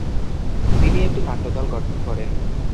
তিনি একটি নাট্যদল গঠন করেন।